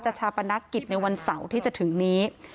จัดสราปณกฤษในวันเสาร์ที่จะถึงนี้